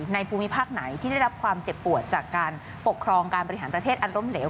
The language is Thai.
ภูมิภาคไหนที่ได้รับความเจ็บปวดจากการปกครองการบริหารประเทศอันล้มเหลว